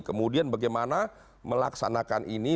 kemudian bagaimana melaksanakan ini